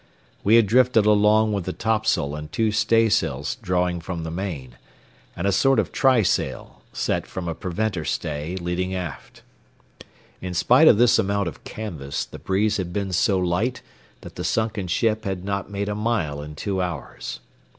We had drifted along with the topsail and two staysails drawing from the main, and a sort of trysail set from a preventer stay leading aft. In spite of this amount of canvas the breeze had been so light that the sunken ship had not made a mile in two hours.